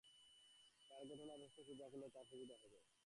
আর ঘটস্থাপনা করে পূজা করলে তোর সুবিধা হবে।